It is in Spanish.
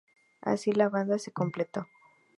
Así, la banda se completó.